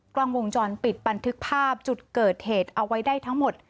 กล้องวงจรปิดบันทึกภาพจุดเกิดเหตุเอาไว้ได้ทั้งหมด